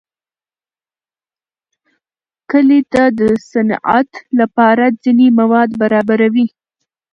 کلي د صنعت لپاره ځینې مواد برابروي.